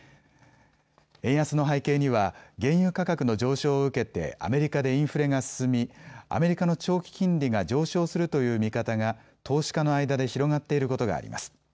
円安の背景には原油価格の上昇を受けてアメリカでインフレが進みアメリカの長期金利が上昇するという見方が投資家の間で広がっていることがあります。